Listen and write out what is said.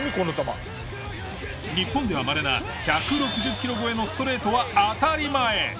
日本では稀な１６０キロ超えのストレートは当たり前。